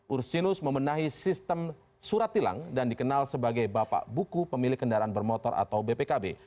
ursinus memenahi sistem surat tilang dan dikenal sebagai bapak buku pemilik kendaraan bermotor atau bpkb